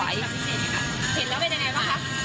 เห็นแล้วเป็นในนี้ไหมคะ